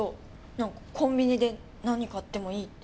なんかコンビニで何買ってもいいって。